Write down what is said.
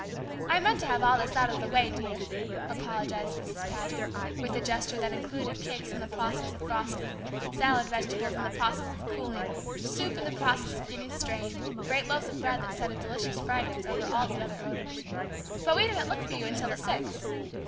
"I meant to have all of this out of the way, dear," apologized Mrs. Paget, with a gesture that included cakes in the process of frosting, salad vegetables in the process of cooling, soup in the process of getting strained, great loaves of bread that sent a delicious fragrance over all the other odors. "But we didn't look for you until six."